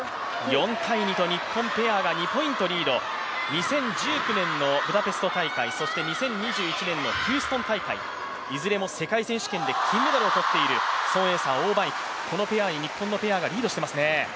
２０１９年のブダペスト大会、そして２０２１年のヒューストン大会いずれも世界選手権で金メダルを取っている孫エイ莎、王曼イク、このペアに日本のペアがリードしていますね。